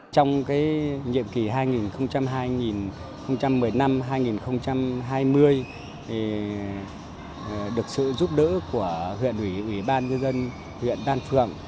trong nhiệm kỳ hai nghìn một mươi năm hai nghìn hai mươi được sự giúp đỡ của huyện ubnd huyện đan phượng